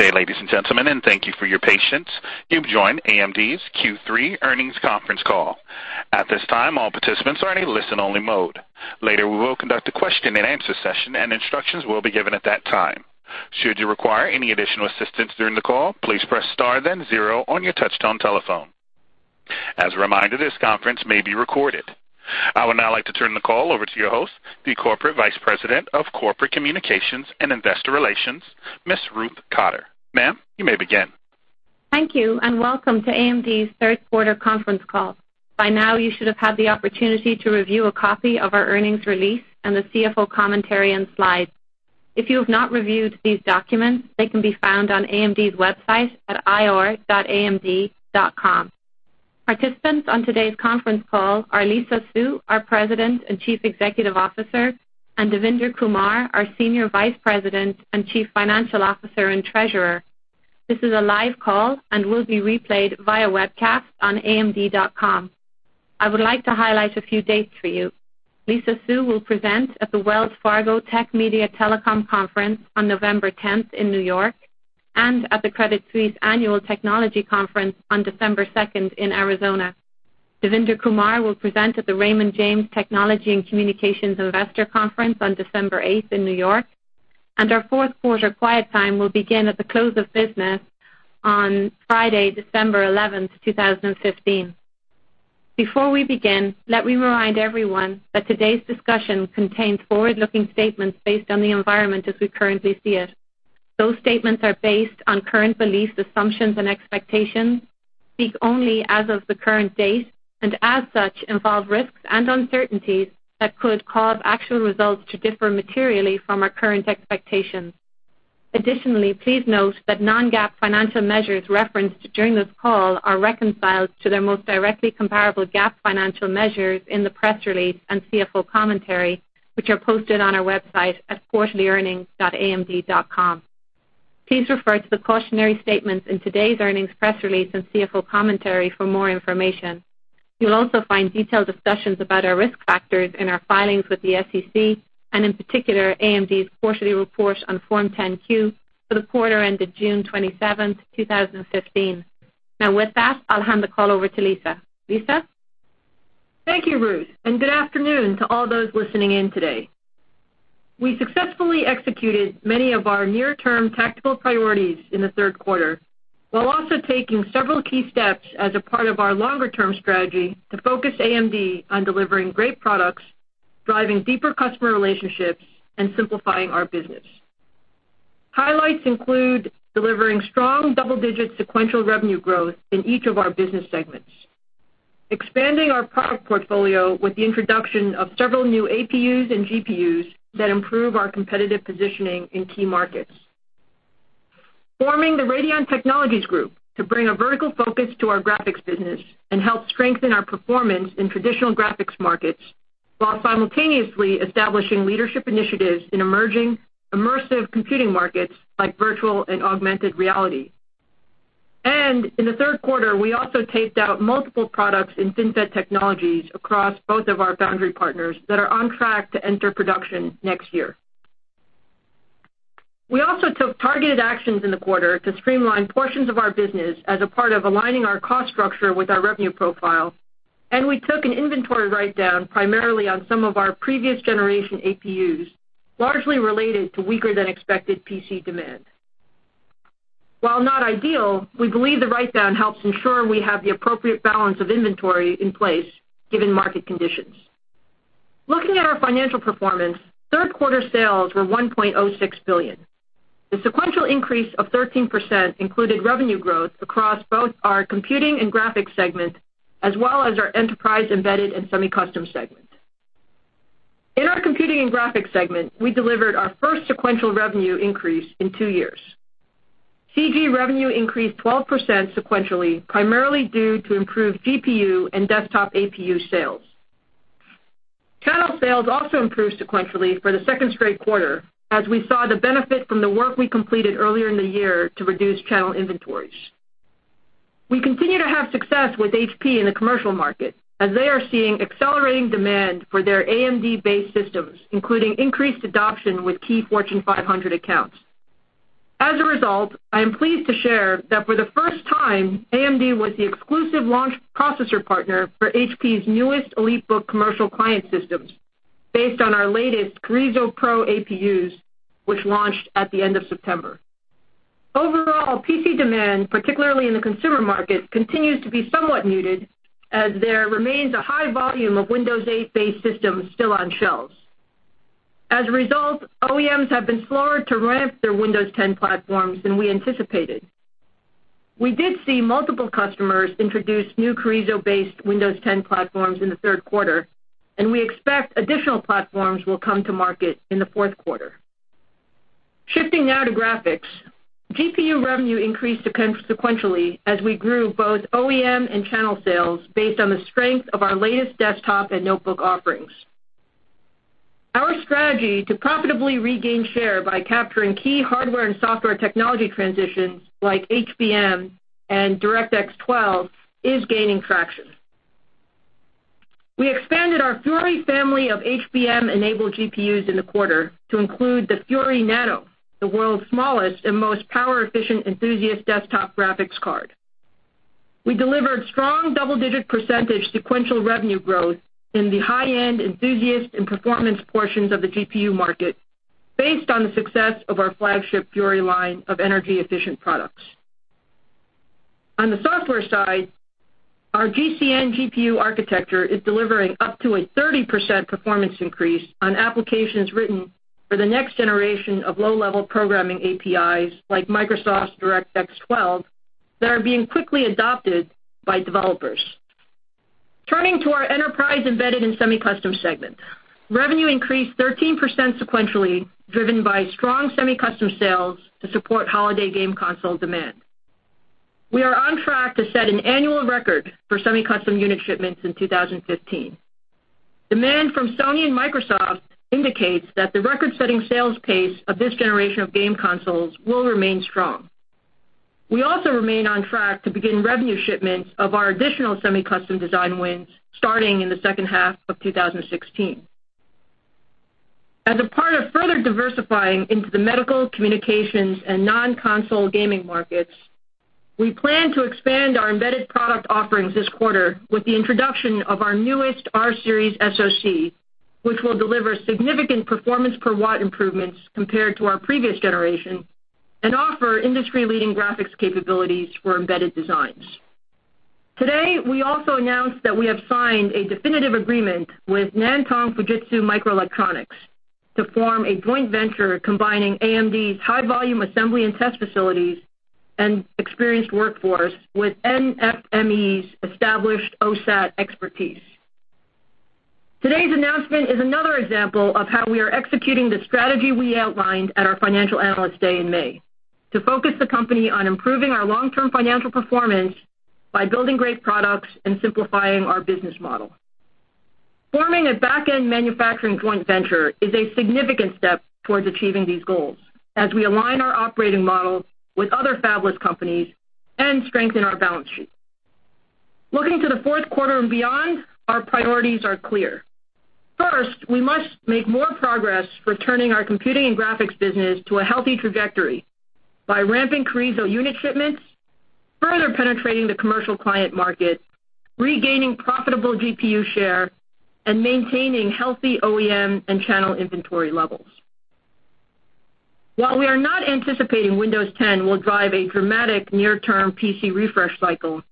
Good day, ladies and gentlemen, and thank you for your patience. You've joined AMD's Q3 earnings conference call. At this time, all participants are in a listen-only mode. Later, we will conduct a question-and-answer session, and instructions will be given at that time. Should you require any additional assistance during the call, please press star then zero on your touch-tone telephone. As a reminder, this conference may be recorded. I would now like to turn the call over to your host, the Corporate Vice President of Corporate Communications and Investor Relations, Ms. Ruth Cotter. Ma'am, you may begin. Thank you, and welcome to AMD's third quarter conference call. By now, you should have had the opportunity to review a copy of our earnings release and the CFO commentary and slides. If you have not reviewed these documents, they can be found on AMD's website at ir.amd.com. Participants on today's conference call are Lisa Su, our President and Chief Executive Officer, and Devinder Kumar, our Senior Vice President and Chief Financial Officer and Treasurer. This is a live call and will be replayed via webcast on amd.com. I would like to highlight a few dates for you. Lisa Su will present at the Wells Fargo Tech Media Telecom Conference on November 10th in New York, and at the Credit Suisse Annual Technology Conference on December 2nd in Arizona. Devinder Kumar will present at the Raymond James Technology and Communications Investor Conference on December 8th in New York, and our fourth quarter quiet time will begin at the close of business on Friday, December 11th, 2015. Before we begin, let me remind everyone that today's discussion contains forward-looking statements based on the environment as we currently see it. Those statements are based on current beliefs, assumptions and expectations, speak only as of the current date, and as such, involve risks and uncertainties that could cause actual results to differ materially from our current expectations. Additionally, please note that non-GAAP financial measures referenced during this call are reconciled to their most directly comparable GAAP financial measures in the press release and CFO commentary, which are posted on our website at quarterlyearnings.amd.com. Please refer to the cautionary statements in today's earnings press release and CFO commentary for more information. You'll also find detailed discussions about our risk factors in our filings with the SEC, and in particular, AMD's quarterly report on Form 10-Q for the quarter ended June 27th, 2015. Now with that, I'll hand the call over to Lisa. Lisa? Thank you, Ruth, and good afternoon to all those listening in today. We successfully executed many of our near-term tactical priorities in the third quarter while also taking several key steps as a part of our longer-term strategy to focus AMD on delivering great products, driving deeper customer relationships, and simplifying our business. Highlights include delivering strong double-digit sequential revenue growth in each of our business segments. Expanding our product portfolio with the introduction of several new APUs and GPUs that improve our competitive positioning in key markets. Forming the Radeon Technologies Group to bring a vertical focus to our graphics business and help strengthen our performance in traditional graphics markets while simultaneously establishing leadership initiatives in emerging immersive computing markets like virtual and augmented reality. In the third quarter, we also taped out multiple products in FinFET technologies across both of our foundry partners that are on track to enter production next year. We also took targeted actions in the quarter to streamline portions of our business as a part of aligning our cost structure with our revenue profile, and we took an inventory write-down primarily on some of our previous generation APUs, largely related to weaker than expected PC demand. While not ideal, we believe the write-down helps ensure we have the appropriate balance of inventory in place given market conditions. Looking at our financial performance, third quarter sales were $1.06 billion. The sequential increase of 13% included revenue growth across both our Computing and Graphics segment, as well as our Enterprise, Embedded, and Semi-Custom segment. In our Computing and Graphics segment, we delivered our first sequential revenue increase in two years. CG revenue increased 12% sequentially, primarily due to improved GPU and desktop APU sales. Channel sales also improved sequentially for the second straight quarter, as we saw the benefit from the work we completed earlier in the year to reduce channel inventories. We continue to have success with HP in the commercial market, as they are seeing accelerating demand for their AMD-based systems, including increased adoption with key Fortune 500 accounts. As a result, I am pleased to share that for the first time, AMD was the exclusive launch processor partner for HP's newest EliteBook commercial client systems based on our latest Carrizo PRO APUs, which launched at the end of September. Overall, PC demand, particularly in the consumer market, continues to be somewhat muted as there remains a high volume of Windows 8-based systems still on shelves. As a result, OEMs have been slower to ramp their Windows 10 platforms than we anticipated. We did see multiple customers introduce new Carrizo-based Windows 10 platforms in the third quarter, and we expect additional platforms will come to market in the fourth quarter. Shifting now to graphics. GPU revenue increased sequentially as we grew both OEM and channel sales based on the strength of our latest desktop and notebook offerings. Our strategy to profitably regain share by capturing key hardware and software technology transitions like HBM and DirectX 12 is gaining traction. We expanded our Fury family of HBM-enabled GPUs in the quarter to include the Fury Nano, the world's smallest and most power-efficient enthusiast desktop graphics card. We delivered strong double-digit percentage sequential revenue growth in the high-end enthusiast and performance portions of the GPU market based on the success of our flagship Fury line of energy-efficient products. On the software side, our GCN GPU architecture is delivering up to a 30% performance increase on applications written for the next generation of low-level programming APIs, like Microsoft's DirectX 12, that are being quickly adopted by developers. Turning to our Enterprise, Embedded and Semi-Custom segment. Revenue increased 13% sequentially, driven by strong semi-custom sales to support holiday game console demand. We are on track to set an annual record for semi-custom unit shipments in 2015. Demand from Sony and Microsoft indicates that the record-setting sales pace of this generation of game consoles will remain strong. We also remain on track to begin revenue shipments of our additional semi-custom design wins starting in the second half of 2016. As a part of further diversifying into the medical, communications, and non-console gaming markets, we plan to expand our embedded product offerings this quarter with the introduction of our newest R-series SoC, which will deliver significant performance per watt improvements compared to our previous generation and offer industry-leading graphics capabilities for embedded designs. Today, we also announced that we have signed a definitive agreement with Nantong Fujitsu Microelectronics to form a joint venture combining AMD's high-volume assembly and test facilities and experienced workforce with NFME's established OSAT expertise. Today's announcement is another example of how we are executing the strategy we outlined at our Financial Analyst Day in May to focus the company on improving our long-term financial performance by building great products and simplifying our business model. Forming a back-end manufacturing joint venture is a significant step towards achieving these goals as we align our operating models with other fabless companies and strengthen our balance sheet. Looking to the fourth quarter and beyond, our priorities are clear. First, we must make more progress returning our computing and graphics business to a healthy trajectory by ramping Carrizo unit shipments, further penetrating the commercial client market, regaining profitable GPU share, and maintaining healthy OEM and channel inventory levels. While we are not anticipating Windows 10 will drive a dramatic near-term PC refresh cycle,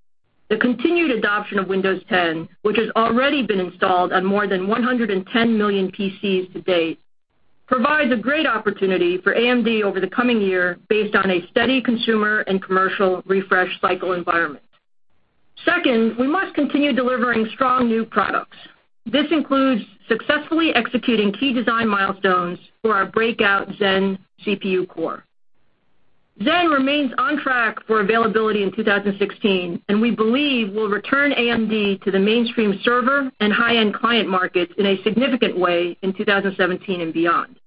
the continued adoption of Windows 10, which has already been installed on more than 110 million PCs to date, provides a great opportunity for AMD over the coming year based on a steady consumer and commercial refresh cycle environment. Second, we must continue delivering strong new products. This includes successfully executing key design milestones for our breakout Zen CPU core. Zen remains on track for availability in 2016, and we believe will return AMD to the mainstream server and high-end client markets in a significant way in 2017 and beyond.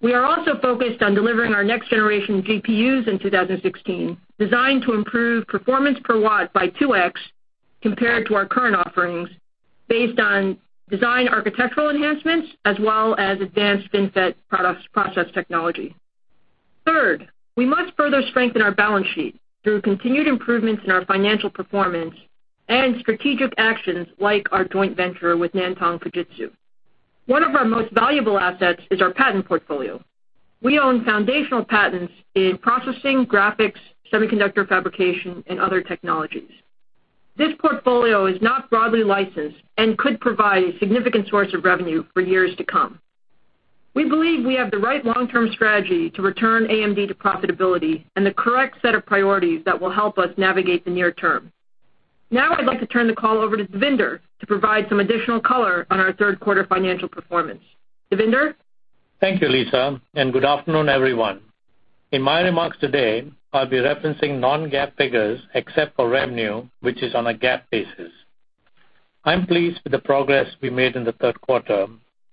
We are also focused on delivering our next-generation GPUs in 2016, designed to improve performance per watt by 2x compared to our current offerings based on design architectural enhancements as well as advanced FinFET process technology. Third, we must further strengthen our balance sheet through continued improvements in our financial performance and strategic actions like our joint venture with Nantong Fujitsu. One of our most valuable assets is our patent portfolio. We own foundational patents in processing, graphics, semiconductor fabrication, and other technologies. This portfolio is not broadly licensed and could provide a significant source of revenue for years to come. We believe we have the right long-term strategy to return AMD to profitability and the correct set of priorities that will help us navigate the near term. I'd like to turn the call over to Devinder to provide some additional color on our third quarter financial performance. Devinder? Thank you, Lisa, and good afternoon, everyone. In my remarks today, I'll be referencing non-GAAP figures except for revenue, which is on a GAAP basis. I'm pleased with the progress we made in the third quarter,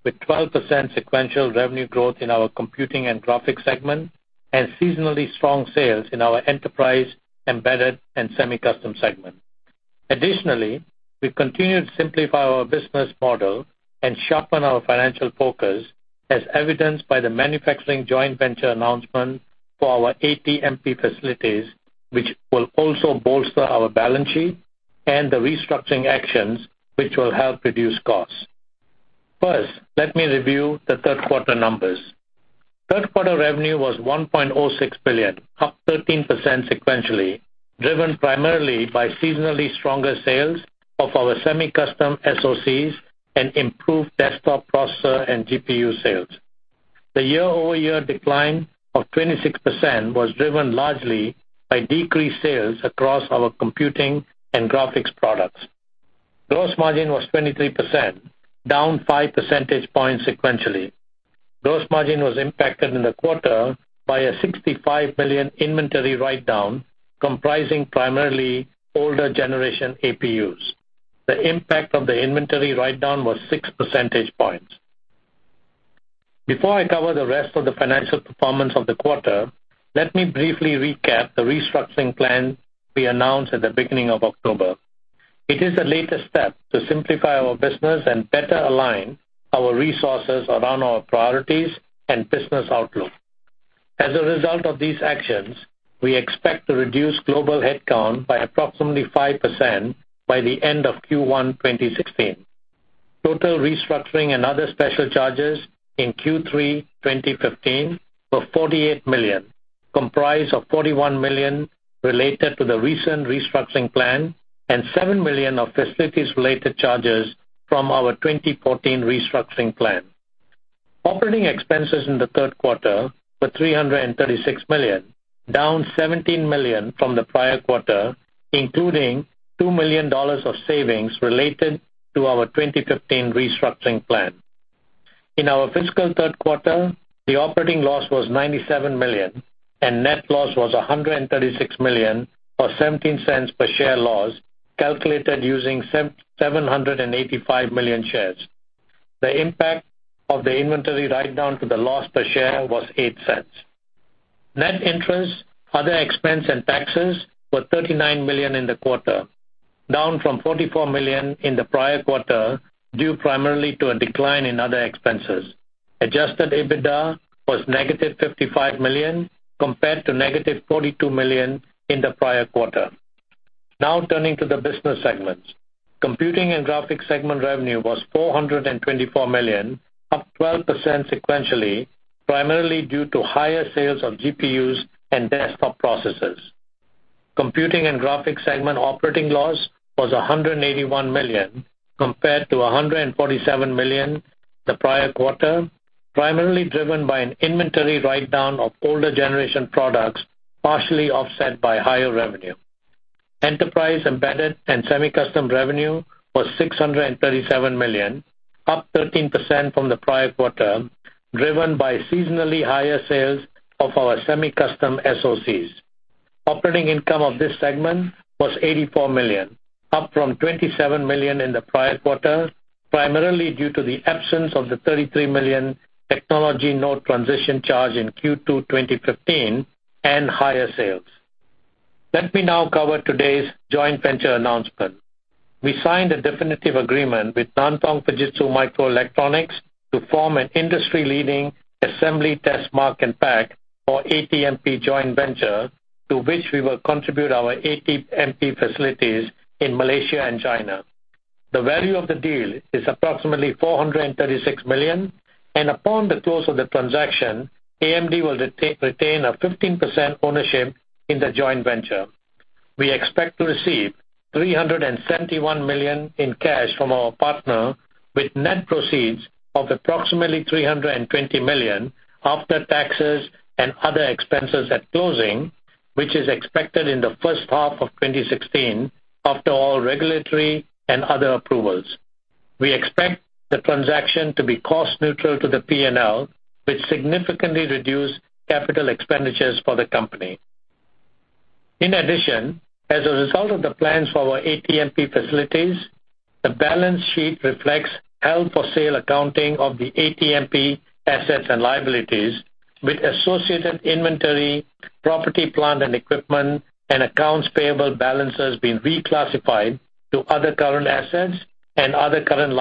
with 12% sequential revenue growth in our computing and graphics segment and seasonally strong sales in our enterprise, embedded, and semi-custom segment. Additionally, we've continued to simplify our business model and sharpen our financial focus, as evidenced by the manufacturing joint venture announcement for our ATMP facilities, which will also bolster our balance sheet, and the restructuring actions, which will help reduce costs. Let me review the third quarter numbers. Third quarter revenue was $1.06 billion, up 13% sequentially, driven primarily by seasonally stronger sales of our semi-custom SoCs and improved desktop processor and GPU sales. The year-over-year decline of 26% was driven largely by decreased sales across our computing and graphics products. Gross margin was 23%, down five percentage points sequentially. Gross margin was impacted in the quarter by a $65 million inventory write-down comprising primarily older generation APUs. The impact of the inventory write-down was six percentage points. Before I cover the rest of the financial performance of the quarter, let me briefly recap the restructuring plan we announced at the beginning of October. It is the latest step to simplify our business and better align our resources around our priorities and business outlook. As a result of these actions, we expect to reduce global headcount by approximately 5% by the end of Q1 2016. Total restructuring and other special charges in Q3 2015 were $48 million, comprised of $41 million related to the recent restructuring plan and $7 million of facilities-related charges from our 2014 restructuring plan. Operating expenses in the third quarter were $336 million, down $17 million from the prior quarter, including $2 million of savings related to our 2015 restructuring plan. In our fiscal third quarter, the operating loss was $97 million, and net loss was $136 million or $0.17 per share loss, calculated using 785 million shares. The impact of the inventory write-down to the loss per share was $0.08. Net interest, other expense, and taxes were $39 million in the quarter, down from $44 million in the prior quarter, due primarily to a decline in other expenses. Adjusted EBITDA was negative $55 million, compared to negative $42 million in the prior quarter. Turning to the business segments. Computing and Graphics segment revenue was $424 million, up 12% sequentially, primarily due to higher sales of GPUs and desktop processors. Computing and Graphics segment operating loss was $181 million compared to $147 million the prior quarter, primarily driven by an inventory write-down of older generation products, partially offset by higher revenue. Enterprise, Embedded, and Semi-Custom revenue was $637 million, up 13% from the prior quarter, driven by seasonally higher sales of our semi-custom SoCs. Operating income of this segment was $84 million, up from $27 million in the prior quarter, primarily due to the absence of the $33 million technology node transition charge in Q2 2015 and higher sales. Let me now cover today's joint venture announcement. We signed a definitive agreement with Nantong Fujitsu Microelectronics Co. Ltd. to form an industry-leading assembly, test, mark, and pack, or ATMP, joint venture, to which we will contribute our ATMP facilities in Malaysia and China. The value of the deal is approximately $436 million. Upon the close of the transaction, AMD will retain a 15% ownership in the joint venture. We expect to receive $371 million in cash from our partner, with net proceeds of approximately $320 million after taxes and other expenses at closing, which is expected in the first half of 2016 after all regulatory and other approvals. We expect the transaction to be cost neutral to the P&L, which significantly reduce capital expenditures for the company. In addition, as a result of the plans for our ATMP facilities, the balance sheet reflects held-for-sale accounting of the ATMP assets and liabilities with associated inventory, property, plant, and equipment, and accounts payable balances being reclassified to other current assets and other current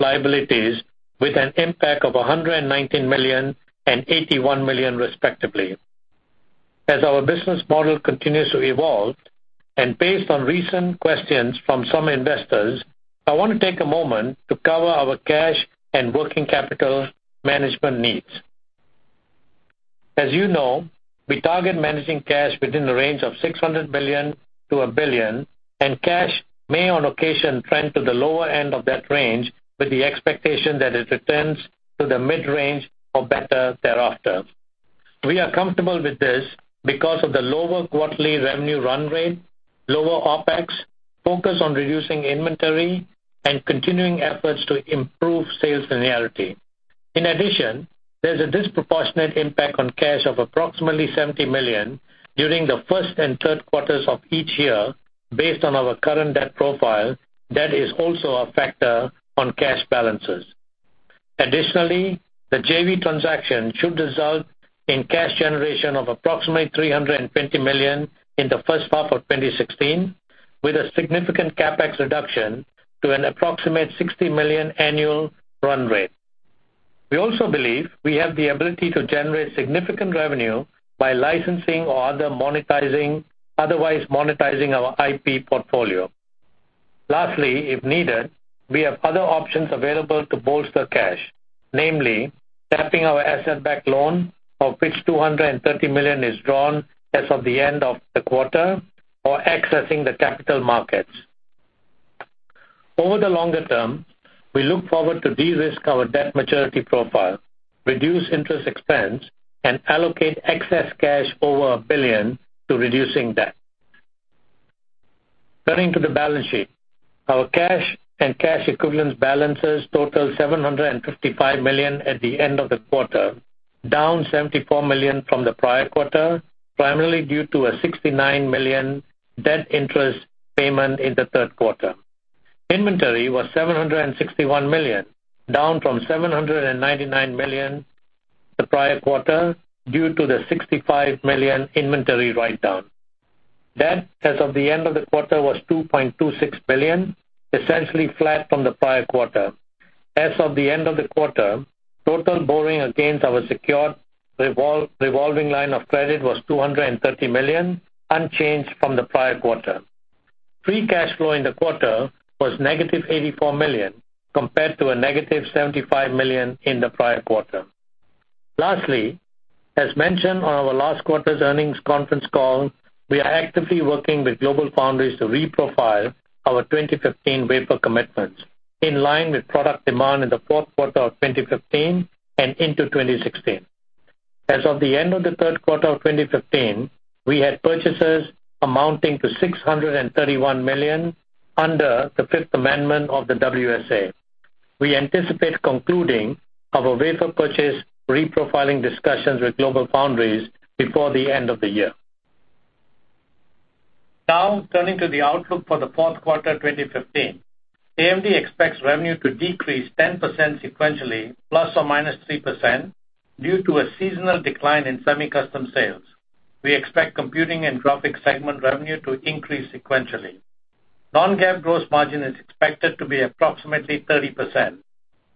liabilities with an impact of $119 million and $81 million, respectively. As our business model continues to evolve, based on recent questions from some investors, I want to take a moment to cover our cash and working capital management needs. As you know, we target managing cash within the range of $600 million to $1 billion. Cash may on occasion trend to the lower end of that range with the expectation that it returns to the mid-range or better thereafter. We are comfortable with this because of the lower quarterly revenue run rate, lower OpEx, focus on reducing inventory, and continuing efforts to improve sales linearity. In addition, there's a disproportionate impact on cash of approximately $70 million during the first and third quarters of each year based on our current debt profile. That is also a factor on cash balances. Additionally, the JV transaction should result in cash generation of approximately $320 million in the first half of 2016, with a significant CapEx reduction to an approximate $60 million annual run rate. We also believe we have the ability to generate significant revenue by licensing or otherwise monetizing our IP portfolio. Lastly, if needed, we have other options available to bolster cash, namely tapping our asset-backed loan, of which $230 million is drawn as of the end of the quarter, or accessing the capital markets. Over the longer term, we look forward to de-risk our debt maturity profile, reduce interest expense, and allocate excess cash over $1 billion to reducing debt. Turning to the balance sheet. Our cash and cash equivalents balances total $755 million at the end of the quarter, down $74 million from the prior quarter, primarily due to a $69 million debt interest payment in the third quarter. Inventory was $761 million, down from $799 million the prior quarter, due to the $65 million inventory write-down. Debt as of the end of the quarter was $2.26 billion, essentially flat from the prior quarter. As of the end of the quarter, total borrowing against our secured revolving line of credit was $230 million, unchanged from the prior quarter. Free cash flow in the quarter was negative $84 million, compared to a negative $75 million in the prior quarter. Lastly, as mentioned on our last quarter's earnings conference call, we are actively working with GlobalFoundries to re-profile our 2015 wafer commitments in line with product demand in the fourth quarter of 2015 and into 2016. As of the end of the third quarter of 2015, we had purchases amounting to $631 million under the fifth amendment of the WSA. We anticipate concluding our wafer purchase reprofiling discussions with GlobalFoundries before the end of the year. Turning to the outlook for the fourth quarter 2015. AMD expects revenue to decrease 10% sequentially, ±3%, due to a seasonal decline in semi-custom sales. We expect Computing and Graphics segment revenue to increase sequentially. Non-GAAP gross margin is expected to be approximately 30%.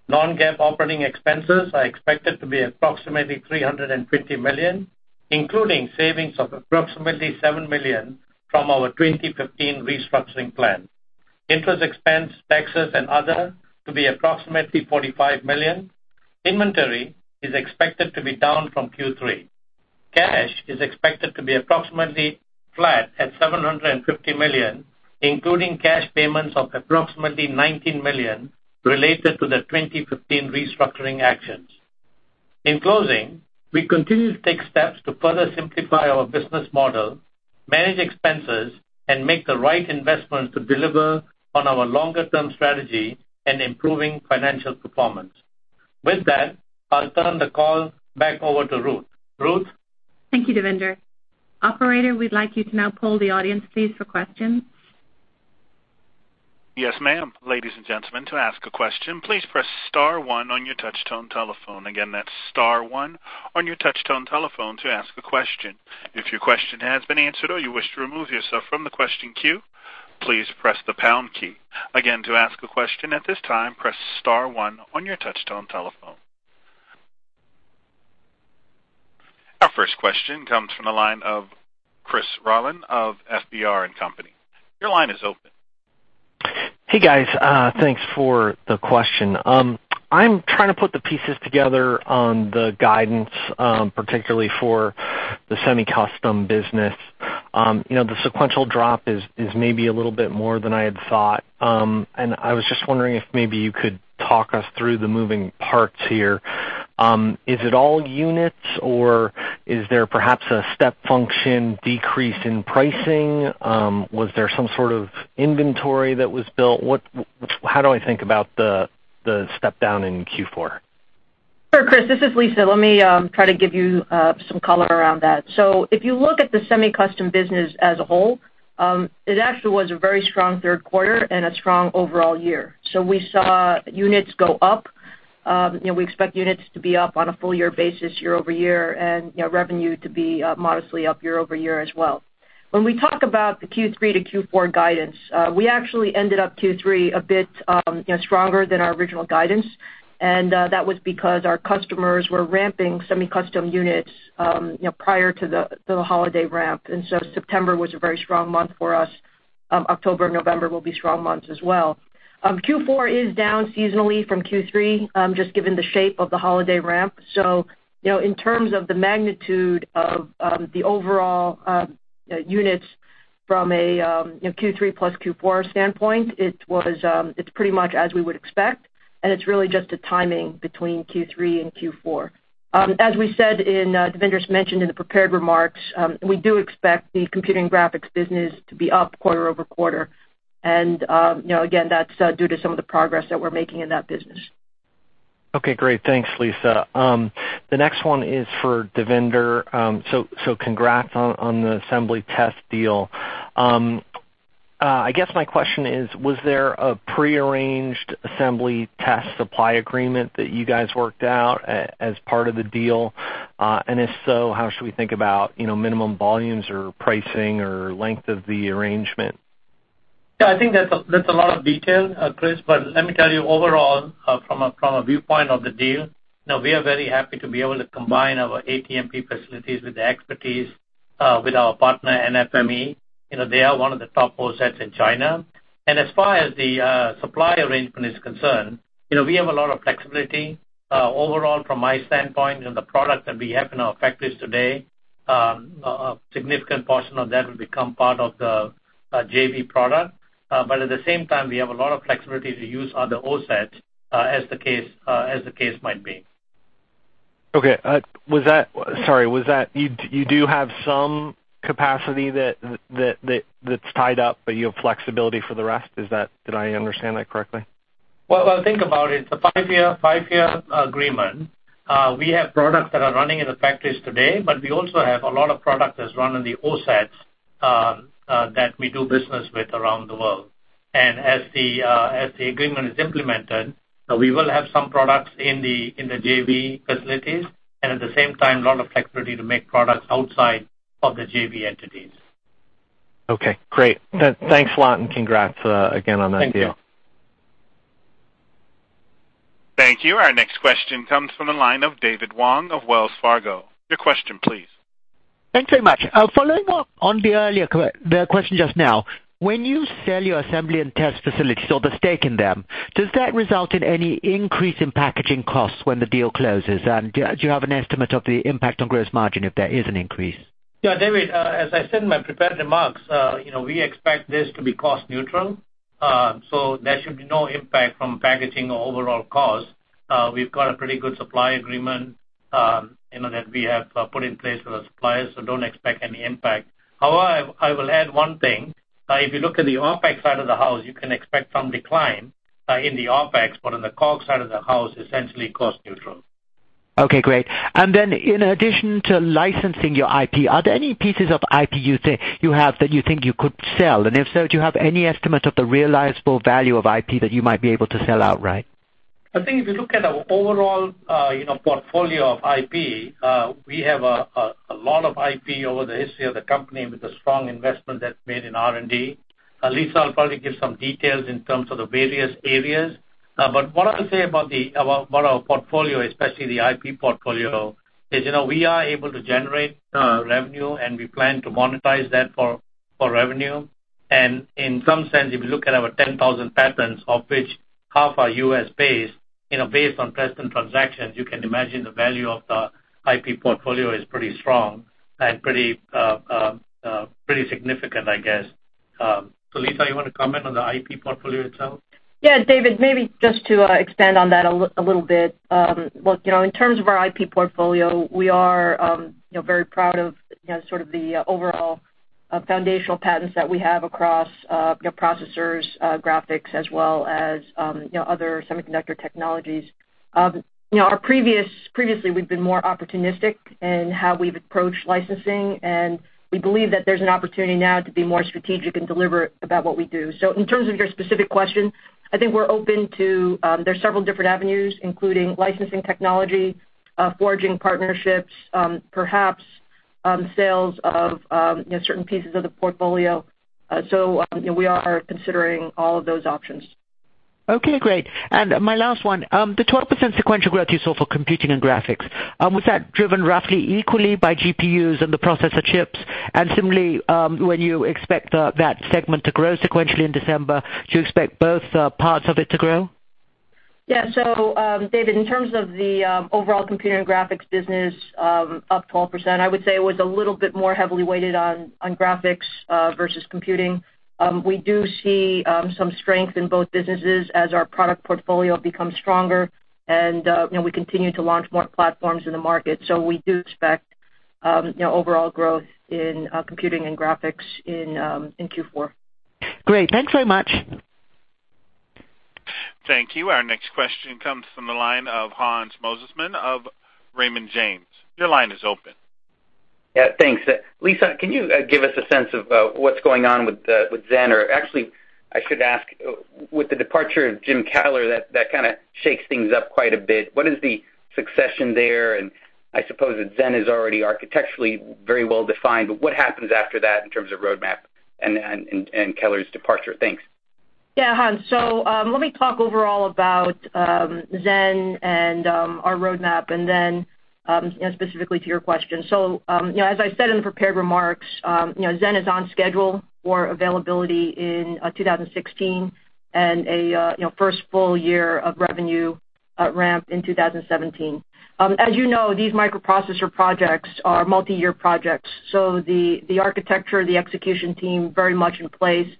Non-GAAP operating expenses are expected to be approximately $350 million, including savings of approximately $7 million from our 2015 restructuring plan. Interest expense, taxes, and other to be approximately $45 million. Inventory is expected to be down from Q3. Cash is expected to be approximately flat at $750 million, including cash payments of approximately $19 million related to the 2015 restructuring actions. In closing, we continue to take steps to further simplify our business model, manage expenses, and make the right investments to deliver on our longer-term strategy and improving financial performance. With that, I'll turn the call back over to Ruth. Ruth? Thank you, Devinder. Operator, we'd like you to now poll the audience please, for questions. Yes, ma'am. Ladies and gentlemen, to ask a question, please press star one on your touchtone telephone. Again, that's star one on your touchtone telephone to ask a question. If your question has been answered or you wish to remove yourself from the question queue, please press the pound key. Again, to ask a question at this time, press star one on your touchtone telephone. Our first question comes from the line of Christopher Rolland of FBR & Co.. Your line is open. Hey, guys. Thanks for the question. I'm trying to put the pieces together on the guidance, particularly for the semi-custom business. The sequential drop is maybe a little bit more than I had thought. I was just wondering if maybe you could talk us through the moving parts here. Is it all units, or is there perhaps a step function decrease in pricing? Was there some sort of inventory that was built? How do I think about the step down in Q4? Sure, Chris, this is Lisa. Let me try to give you some color around that. If you look at the semi-custom business as a whole, it actually was a very strong third quarter and a strong overall year. We saw units go up. We expect units to be up on a full-year basis year-over-year and revenue to be modestly up year-over-year as well. When we talk about the Q3 to Q4 guidance, we actually ended up Q3 a bit stronger than our original guidance, and that was because our customers were ramping semi-custom units prior to the holiday ramp. September was a very strong month for us. October, November will be strong months as well. Q4 is down seasonally from Q3, just given the shape of the holiday ramp. In terms of the magnitude of the overall units from a Q3 plus Q4 standpoint, it's pretty much as we would expect, and it's really just a timing between Q3 and Q4. As we said, Devinder mentioned in the prepared remarks, we do expect the computing graphics business to be up quarter-over-quarter. Again, that's due to some of the progress that we're making in that business. Okay, great. Thanks, Lisa. The next one is for Devinder. Congrats on the assembly test deal. I guess my question is, was there a prearranged assembly test supply agreement that you guys worked out as part of the deal? If so, how should we think about minimum volumes or pricing or length of the arrangement? I think that's a lot of detail, Chris. Let me tell you overall, from a viewpoint of the deal, we are very happy to be able to combine our ATMP facilities with the expertise with our partner, NFME. They are one of the top OSATs in China. As far as the supply arrangement is concerned, we have a lot of flexibility. Overall, from my standpoint and the product that we have in our factories today, a significant portion of that will become part of the JV product. At the same time, we have a lot of flexibility to use other OSATs, as the case might be. You do have some capacity that's tied up. You have flexibility for the rest. Did I understand that correctly? Think about it. It's a five-year agreement. We have products that are running in the factories today. We also have a lot of product that's run in the OSATs that we do business with around the world. As the agreement is implemented, we will have some products in the JV facilities, and at the same time, a lot of flexibility to make products outside of the JV entities. Okay, great. Thanks a lot. Congrats again on that deal. Thank you. Thank you. Our next question comes from the line of David Wong of Wells Fargo. Your question please. Thanks very much. Following up on the question just now, when you sell your assembly and test facilities or the stake in them, does that result in any increase in packaging costs when the deal closes? Do you have an estimate of the impact on gross margin if there is an increase? Yeah, David, as I said in my prepared remarks, we expect this to be cost neutral. There should be no impact from packaging or overall cost. We've got a pretty good supply agreement that we have put in place with our suppliers, don't expect any impact. However, I will add one thing. If you look at the OpEx side of the house, you can expect some decline in the OpEx, but on the COGS side of the house, essentially cost neutral. Okay, great. In addition to licensing your IP, are there any pieces of IP you have that you think you could sell? If so, do you have any estimate of the realizable value of IP that you might be able to sell outright? I think if you look at our overall portfolio of IP, we have a lot of IP over the history of the company with the strong investment that's made in R&D. Lisa will probably give some details in terms of the various areas. What I'll say about our portfolio, especially the IP portfolio, is we are able to generate revenue, we plan to monetize that for revenue. In some sense, if you look at our 10,000 patents, of which half are U.S.-based, based on present transactions, you can imagine the value of the IP portfolio is pretty strong and pretty significant, I guess. Lisa, you want to comment on the IP portfolio itself? Yeah, David, maybe just to expand on that a little bit. Look, in terms of our IP portfolio, we are very proud of the overall foundational patents that we have across processors, graphics, as well as other semiconductor technologies. Previously, we've been more opportunistic in how we've approached licensing, we believe that there's an opportunity now to be more strategic and deliberate about what we do. In terms of your specific question, I think we're open to several different avenues, including licensing technology, forging partnerships, perhaps sales of certain pieces of the portfolio. We are considering all of those options. Okay, great. My last one, the 12% sequential growth you saw for Computing and Graphics, was that driven roughly equally by GPUs and the processor chips? Similarly, when you expect that segment to grow sequentially in December, do you expect both parts of it to grow? Yeah. David, in terms of the overall Computing and Graphics business up 12%, I would say it was a little bit more heavily weighted on Graphics versus Computing. We do see some strength in both businesses as our product portfolio becomes stronger and we continue to launch more platforms in the market. We do expect overall growth in Computing and Graphics in Q4. Great. Thanks very much. Thank you. Our next question comes from the line of Hans Mosesmann of Raymond James. Your line is open. Yeah, thanks. Lisa, can you give us a sense of what's going on with Zen? Or actually, I should ask, with the departure of Jim Keller, that kind of shakes things up quite a bit. What is the succession there? I suppose that Zen is already architecturally very well-defined, but what happens after that in terms of roadmap and Keller's departure? Thanks. Yeah, Hans. Let me talk overall about Zen and our roadmap, and then specifically to your question. As I said in the prepared remarks, Zen is on schedule for availability in 2016, and a first full year of revenue ramp in 2017. As you know, these microprocessor projects are multi-year projects, so the architecture, the execution team very much in place.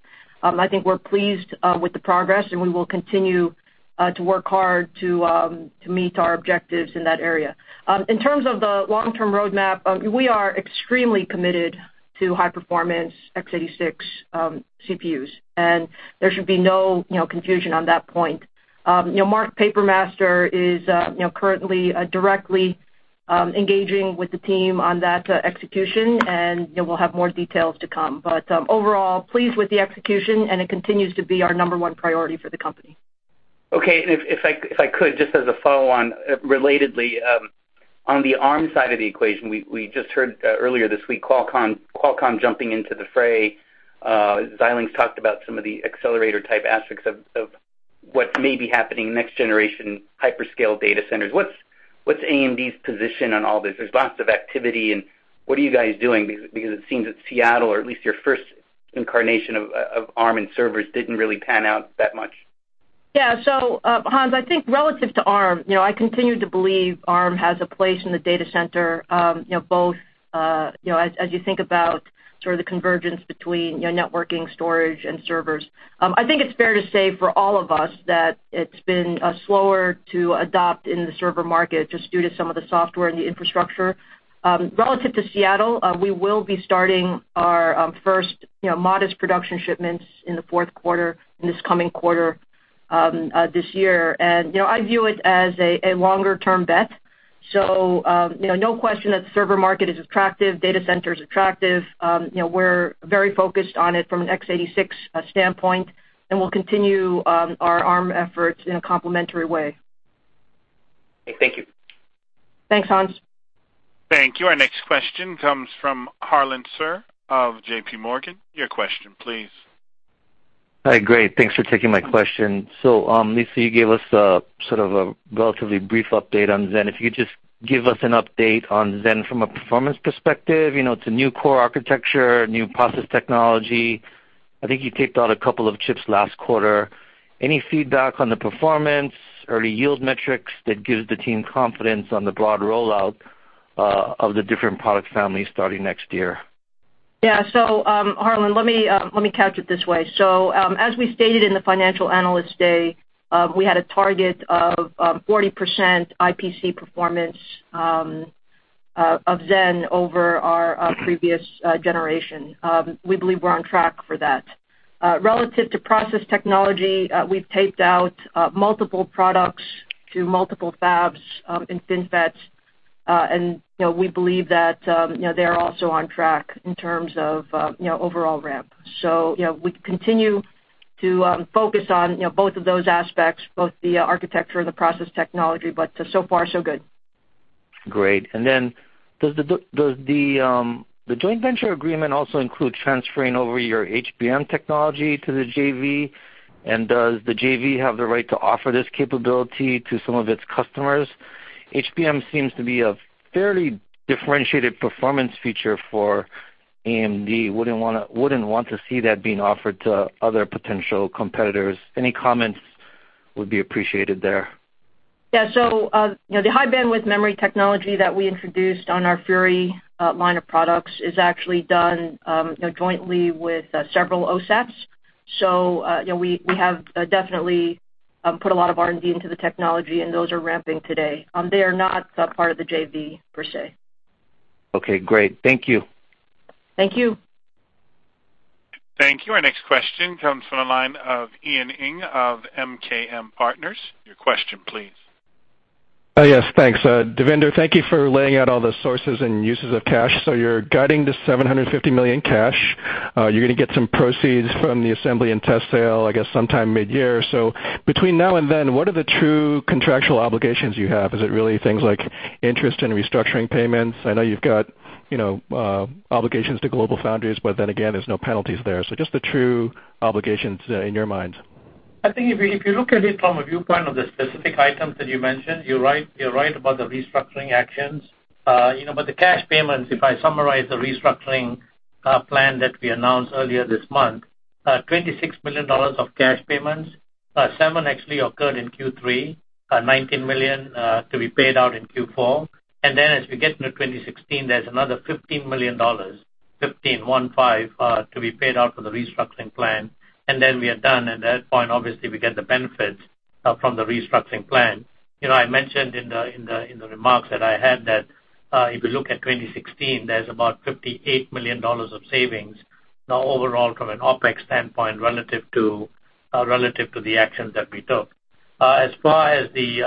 I think we're pleased with the progress, and we will continue to work hard to meet our objectives in that area. In terms of the long-term roadmap, we are extremely committed to high-performance x86 CPUs, and there should be no confusion on that point. Mark Papermaster is currently directly engaging with the team on that execution, and we'll have more details to come. Overall, pleased with the execution, and it continues to be our number one priority for the company. Okay. If I could, just as a follow-on relatedly, on the Arm side of the equation, we just heard earlier this week Qualcomm jumping into the fray. Xilinx talked about some of the accelerator-type aspects of what may be happening next generation hyperscale data centers. What's AMD's position on all this? There's lots of activity, and what are you guys doing? It seems that Seattle, or at least your first incarnation of Arm and servers, didn't really pan out that much. Yeah. Hans, I think relative to Arm, I continue to believe Arm has a place in the data center, both as you think about sort of the convergence between networking, storage, and servers. I think it's fair to say for all of us that it's been slower to adopt in the server market just due to some of the software and the infrastructure. Relative to Seattle, we will be starting our first modest production shipments in the fourth quarter, in this coming quarter, this year. I view it as a longer-term bet. No question that the server market is attractive, data center's attractive. We're very focused on it from an x86 standpoint, and we'll continue our Arm efforts in a complementary way. Okay. Thank you. Thanks, Hans. Thank you. Our next question comes from Harlan Sur of J.P. Morgan. Your question please. Hi. Great. Thanks for taking my question. Lisa, you gave us sort of a relatively brief update on Zen. If you could just give us an update on Zen from a performance perspective. It's a new core architecture, new process technology. I think you taped out a couple of chips last quarter. Any feedback on the performance or the yield metrics that gives the team confidence on the broad rollout of the different product families starting next year? Yeah. Harlan, let me couch it this way. As we stated in the financial analyst day, we had a target of 40% IPC performance of Zen over our previous generation. We believe we're on track for that. Relative to process technology, we've taped out multiple products to multiple fabs in FinFETs. We believe that they're also on track in terms of overall ramp. We continue to focus on both of those aspects, both the architecture and the process technology. So far, so good. Great. Does the joint venture agreement also include transferring over your HBM technology to the JV? Does the JV have the right to offer this capability to some of its customers? HBM seems to be a fairly differentiated performance feature for AMD. Wouldn't want to see that being offered to other potential competitors. Any comments would be appreciated there. Yeah. The high bandwidth memory technology that we introduced on our Fury line of products is actually done jointly with several OSATs. We have definitely put a lot of R&D into the technology, and those are ramping today. They are not part of the JV per se. Okay, great. Thank you. Thank you. Thank you. Our next question comes from the line of Ian Ing of MKM Partners. Your question please. Yes, thanks. Devinder, thank you for laying out all the sources and uses of cash. You're guiding to $750 million cash. You're going to get some proceeds from the assembly and test sale, I guess sometime mid-year. Between now and then, what are the true contractual obligations you have? Is it really things like interest and restructuring payments? I know you've got obligations to GlobalFoundries, there's no penalties there. Just the true obligations in your minds. I think if you look at it from a viewpoint of the specific items that you mentioned, you're right about the restructuring actions. The cash payments, if I summarize the restructuring plan that we announced earlier this month, $26 million of cash payments, seven actually occurred in Q3, $19 million to be paid out in Q4. As we get into 2016, there's another $15 million, 15, one five, to be paid out for the restructuring plan. We are done. At that point, obviously, we get the benefits from the restructuring plan. I mentioned in the remarks that I had that if you look at 2016, there's about $58 million of savings now overall from an OpEx standpoint relative to the actions that we took. As far as the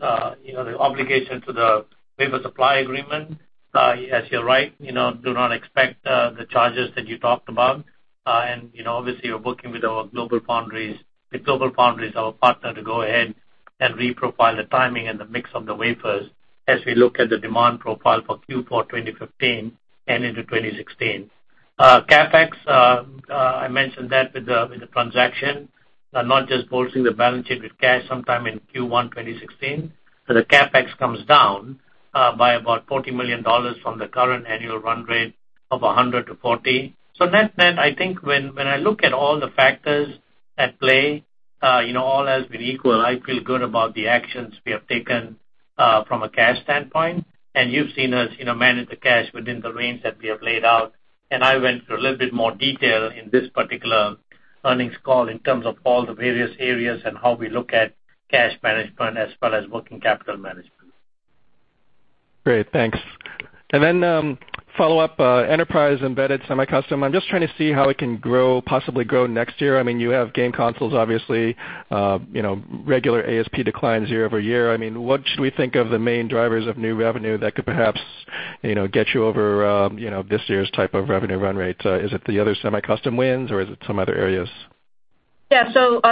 obligation to the wafer supply agreement, as you're right, do not expect the charges that you talked about. Obviously we're working with GlobalFoundries, our partner, to go ahead and reprofile the timing and the mix of the wafers as we look at the demand profile for Q4 2015 and into 2016. CapEx, I mentioned that with the transaction, not just bolting the balance sheet with cash sometime in Q1 2016. The CapEx comes down by about $40 million from the current annual run rate of $100 million to $40 million. Net-net, I think when I look at all the factors at play, all else being equal, I feel good about the actions we have taken from a cash standpoint. You've seen us manage the cash within the range that we have laid out. I went through a little bit more detail in this particular earnings call in terms of all the various areas and how we look at cash management as well as working capital management. Great. Thanks. Then follow-up, Enterprise, Embedded Semi-Custom. I'm just trying to see how it can possibly grow next year. You have game consoles, obviously, regular ASP declines year-over-year. What should we think are the main drivers of new revenue that could perhaps get you over this year's type of revenue run rate? Is it the other semi-custom wins, or is it some other areas? Yeah.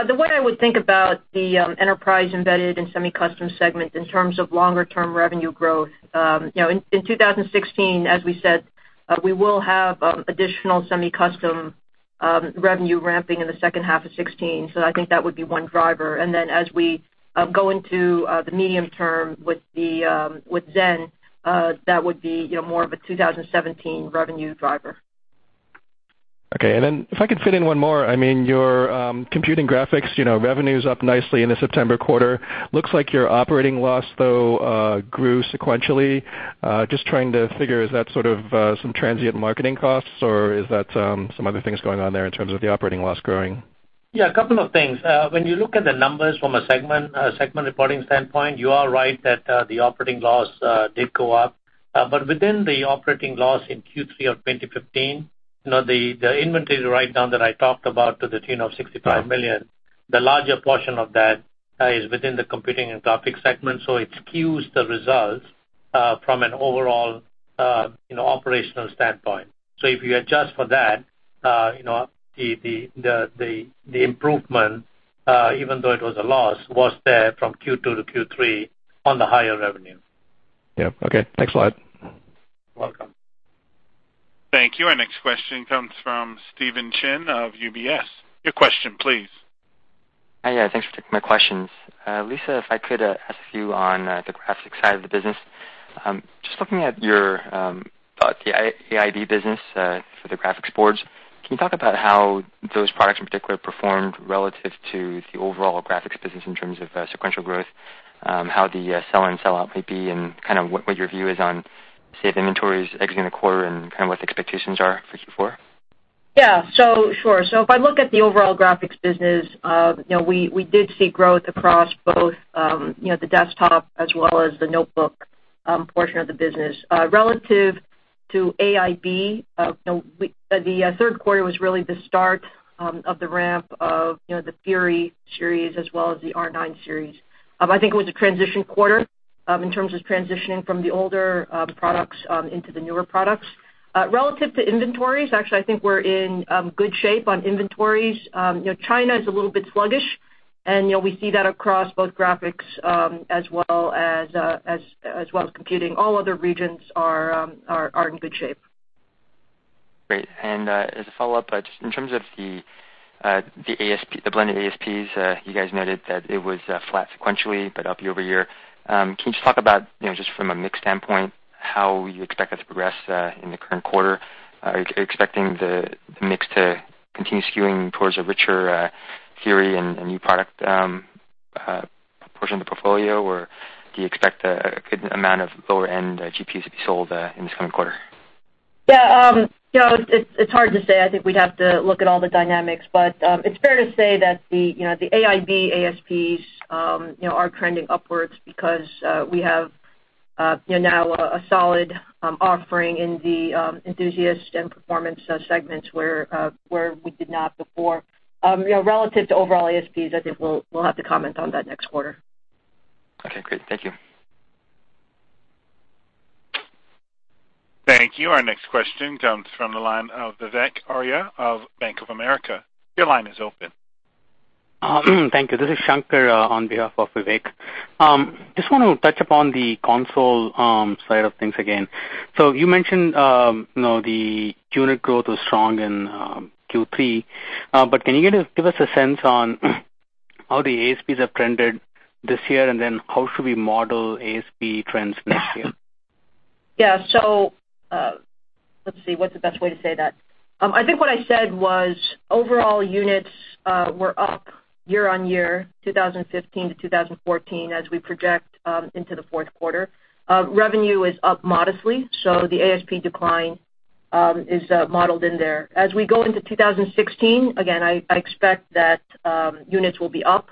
The way I would think about the enterprise embedded and semi-custom segment in terms of longer-term revenue growth. In 2016, as we said, we will have additional semi-custom revenue ramping in the second half of 2016. I think that would be one driver. Then as we go into the medium term with Zen, that would be more of a 2017 revenue driver. Okay. Then if I could fit in one more, your computing graphics revenue's up nicely in the September quarter. Looks like your operating loss, though, grew sequentially. Just trying to figure, is that some transient marketing costs, or is that some other things going on there in terms of the operating loss growing? Yeah. A couple of things. When you look at the numbers from a segment reporting standpoint, you are right that the operating loss did go up. Within the operating loss in Q3 of 2015, the inventory write-down that I talked about to the tune of $65 million, the larger portion of that is within the Computing and Graphics segment. It skews the results from an overall operational standpoint. If you adjust for that, the improvement, even though it was a loss, was there from Q2 to Q3 on the higher revenue. Yeah. Okay. Thanks a lot. Welcome. Thank you. Our next question comes from Stacy Rasgon of UBS. Your question please. Hi. Thanks for taking my questions. Lisa, if I could ask you on the graphics side of the business, just looking at your AIB business for the graphics boards, can you talk about how those products in particular performed relative to the overall graphics business in terms of sequential growth, how the sell and sellout may be, and what your view is on, say, the inventories exiting the quarter and what the expectations are for Q4? Sure. If I look at the overall graphics business, we did see growth across both the desktop as well as the notebook portion of the business. Relative to AIB, the third quarter was really the start of the ramp of the Fury series as well as the R9 series. I think it was a transition quarter in terms of transitioning from the older products into the newer products. Relative to inventories, actually, I think we're in good shape on inventories. China is a little bit sluggish, and we see that across both graphics as well as computing. All other regions are in good shape. Great. As a follow-up, just in terms of the blended ASPs, you guys noted that it was flat sequentially, but up year-over-year. Can you just talk about, just from a mix standpoint, how you expect that to progress in the current quarter? Are you expecting the mix to continue skewing towards a richer Fury and new product portion of the portfolio, or do you expect a good amount of lower-end GPUs to be sold in this coming quarter? It's hard to say. I think we'd have to look at all the dynamics. It's fair to say that the AIB ASPs are trending upwards because we have now a solid offering in the enthusiast and performance segments where we did not before. Relative to overall ASPs, I think we'll have to comment on that next quarter. Okay, great. Thank you. Thank you. Our next question comes from the line of Vivek Arya of Bank of America. Your line is open. Thank you. This is Shankar on behalf of Vivek. Just want to touch upon the console side of things again. You mentioned the unit growth was strong in Q3, can you give us a sense on how the ASPs have trended this year, and how should we model ASP trends next year? Yeah. Let's see, what's the best way to say that? I think what I said was overall units were up year-over-year, 2015 to 2014, as we project into the fourth quarter. Revenue is up modestly, the ASP decline is modeled in there. As we go into 2016, again, I expect that units will be up,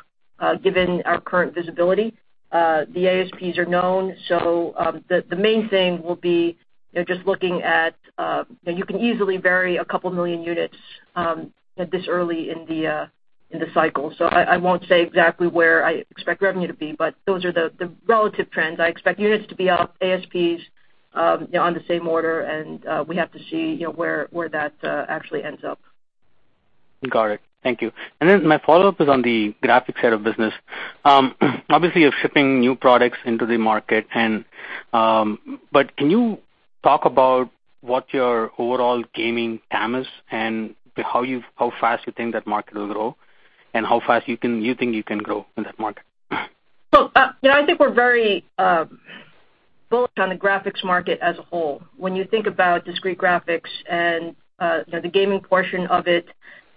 given our current visibility. The ASPs are known, the main thing will be just looking at, you can easily vary a couple million units this early in the cycle. I won't say exactly where I expect revenue to be, but those are the relative trends. I expect units to be up, ASPs on the same order, and we have to see where that actually ends up. Got it. Thank you. My follow-up is on the graphics side of business. Obviously, you're shipping new products into the market, but can you talk about what your overall gaming TAM is, and how fast you think that market will grow, and how fast you think you can grow in that market? Look, I think we're very bullish on the graphics market as a whole. When you think about discrete graphics and the gaming portion of it,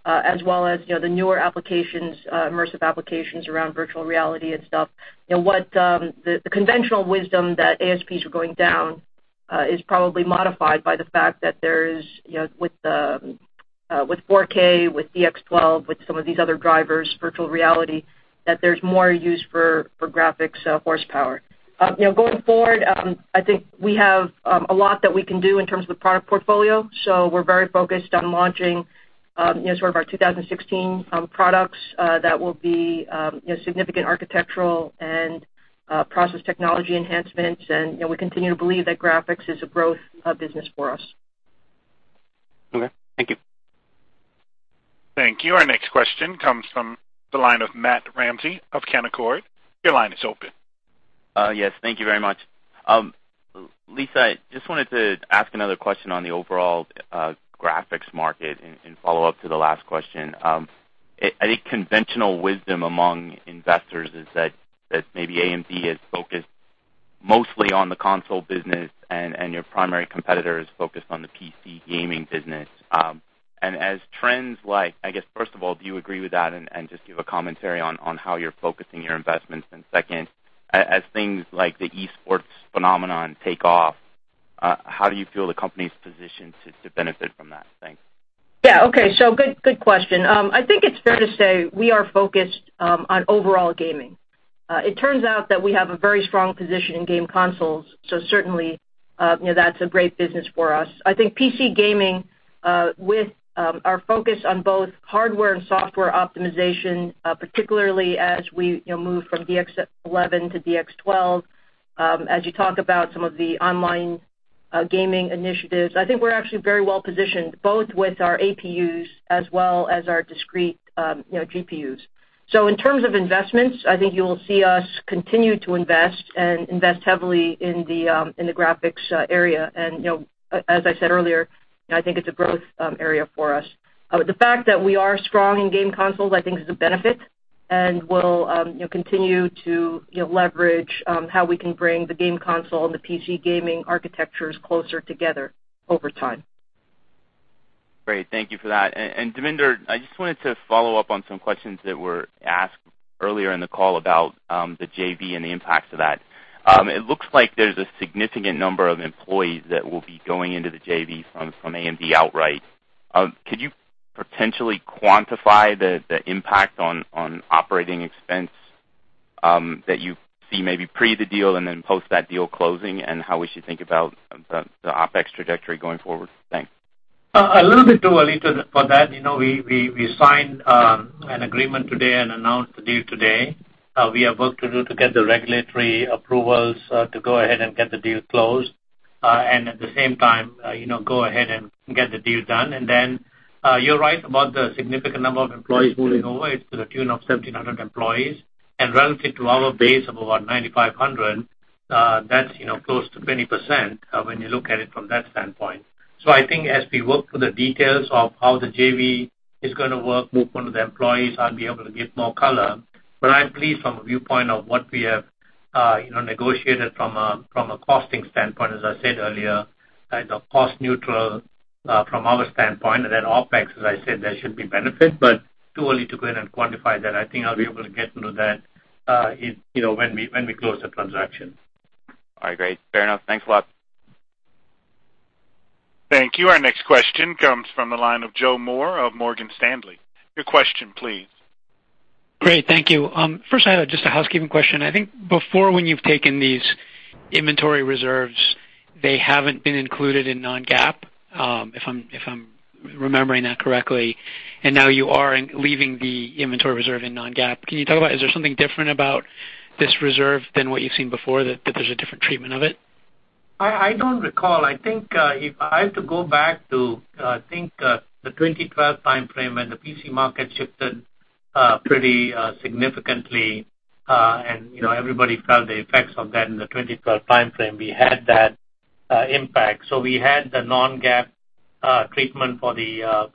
as well as the newer applications, immersive applications around virtual reality and stuff, the conventional wisdom that ASPs are going down is probably modified by the fact that there's, with 4K, with DX12, with some of these other drivers, virtual reality, that there's more use for graphics horsepower. Going forward, I think we have a lot that we can do in terms of the product portfolio. We're very focused on launching sort of our 2016 products that will be significant architectural and process technology enhancements, and we continue to believe that graphics is a growth business for us. Okay. Thank you. Thank you. Our next question comes from the line of Matt Ramsay of Canaccord. Your line is open. Yes. Thank you very much. Lisa, I just wanted to ask another question on the overall graphics market and follow up to the last question. I think conventional wisdom among investors is that maybe AMD is focused Mostly on the console business and your primary competitor is focused on the PC gaming business. I guess, first of all, do you agree with that? Just give a commentary on how you're focusing your investments. Second, as things like the esports phenomenon take off, how do you feel the company's positioned to benefit from that? Thanks. Yeah. Okay. Good question. I think it's fair to say we are focused on overall gaming. It turns out that we have a very strong position in game consoles, certainly that's a great business for us. I think PC gaming, with our focus on both hardware and software optimization, particularly as we move from DX11 to DX12, as you talk about some of the online gaming initiatives, I think we're actually very well-positioned, both with our APUs as well as our discrete GPUs. In terms of investments, I think you'll see us continue to invest and invest heavily in the graphics area. As I said earlier, I think it's a growth area for us. The fact that we are strong in game consoles, I think is a benefit, we'll continue to leverage how we can bring the game console and the PC gaming architectures closer together over time. Great. Thank you for that. Devinder, I just wanted to follow up on some questions that were asked earlier in the call about the JV and the impacts of that. It looks like there's a significant number of employees that will be going into the JV from AMD outright. Could you potentially quantify the impact on operating expense that you see maybe pre the deal and then post that deal closing, and how we should think about the OpEx trajectory going forward? Thanks. A little bit too early for that. We signed an agreement today and announced the deal today. We have work to do to get the regulatory approvals to go ahead and get the deal closed. At the same time, go ahead and get the deal done. Then, you're right about the significant number of employees moving over. It's to the tune of 1,700 employees. Relative to our base of about 9,500, that's close to 20% when you look at it from that standpoint. I think as we work through the details of how the JV is going to work, movement of the employees, I'll be able to give more color. I'm pleased from a viewpoint of what we have negotiated from a costing standpoint, as I said earlier, as a cost neutral from our standpoint. Then OpEx, as I said, there should be benefit. Too early to go in and quantify that. I think I'll be able to get into that when we close the transaction. All right. Great. Fair enough. Thanks a lot. Thank you. Our next question comes from the line of Joseph Moore of Morgan Stanley. Your question, please. Great. Thank you. First I have just a housekeeping question. I think before when you've taken these inventory reserves, they haven't been included in non-GAAP, if I'm remembering that correctly. Now you are leaving the inventory reserve in non-GAAP. Can you talk about, is there something different about this reserve than what you've seen before, that there's a different treatment of it? I don't recall. I have to go back to, I think, the 2012 timeframe when the PC market shifted pretty significantly, and everybody felt the effects of that in the 2012 timeframe. We had that impact. We had the non-GAAP treatment for the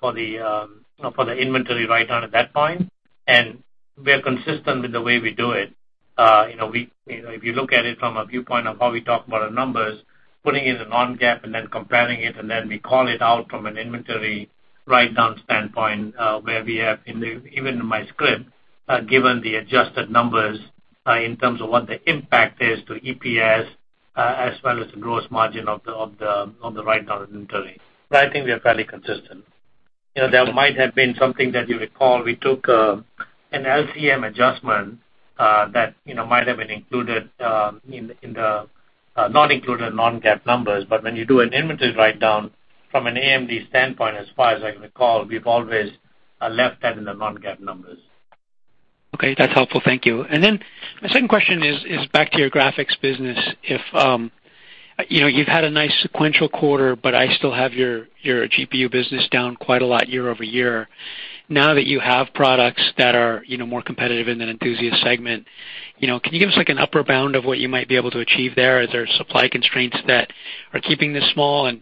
inventory write-down at that point, and we are consistent with the way we do it. If you look at it from a viewpoint of how we talk about our numbers, putting in the non-GAAP and then comparing it, and then we call it out from an inventory write-down standpoint, where we have, even in my script, given the adjusted numbers in terms of what the impact is to EPS, as well as the gross margin of the write-down inventory. I think we're fairly consistent. There might have been something that you recall. We took an LCM adjustment that might have been not included in non-GAAP numbers. When you do an inventory write-down from an AMD standpoint, as far as I can recall, we've always left that in the non-GAAP numbers. Okay. That's helpful. Thank you. My second question is back to your graphics business. You've had a nice sequential quarter, I still have your GPU business down quite a lot year-over-year. Now that you have products that are more competitive in that enthusiast segment, can you give us an upper bound of what you might be able to achieve there? Are there supply constraints that are keeping this small, and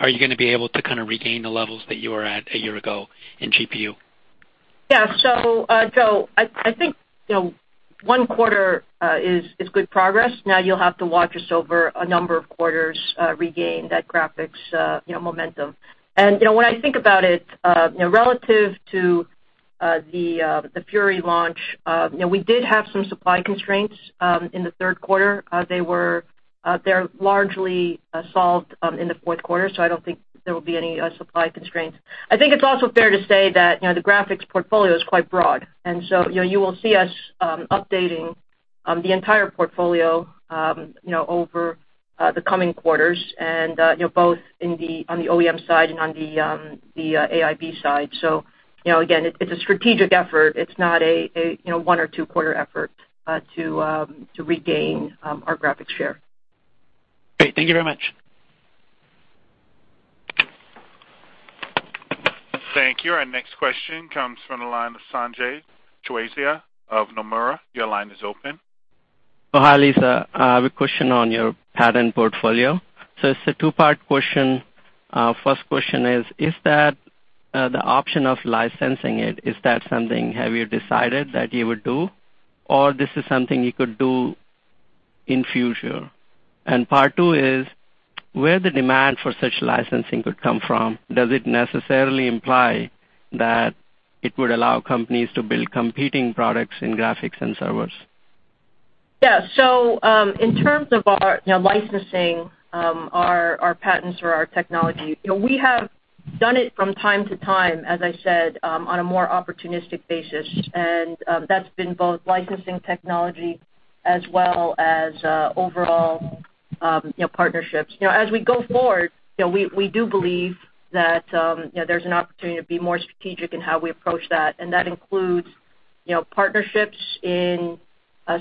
are you going to be able to regain the levels that you were at a year ago in GPU? Yeah. Joe, I think one quarter is good progress. Now you'll have to watch us over a number of quarters regain that graphics momentum. When I think about it, relative to the Fury launch, we did have some supply constraints in the third quarter. They're largely solved in the fourth quarter, I don't think there will be any supply constraints. I think it's also fair to say that the graphics portfolio is quite broad, you will see us updating the entire portfolio over the coming quarters and both on the OEM side and on the AIB side. Again, it's a strategic effort. It's not a one or two-quarter effort to regain our graphics share. Great. Thank you very much. Thank you. Our next question comes from the line of Sanjay Jha of Nomura. Your line is open. Hi, Lisa. I have a question on your patent portfolio. It's a two-part question. First question is that the option of licensing it, is that something, have you decided that you would do? Or this is something you could do in future? Part two is, where the demand for such licensing could come from? Does it necessarily imply that it would allow companies to build competing products in graphics and servers? Yeah. In terms of our licensing our patents or our technology, we have done it from time to time, as I said, on a more opportunistic basis, and that's been both licensing technology as well as overall partnerships. As we go forward, we do believe that there's an opportunity to be more strategic in how we approach that, and that includes partnerships in